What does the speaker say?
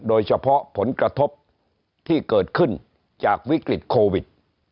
โดยเฉพาะผลกระทบที่เกิดขึ้นจากวิกฤตโควิด